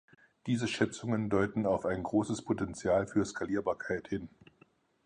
Diese Schätzungen deuten auf ein großes Potential für Skalierbarkeit hin.